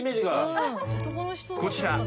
［こちら］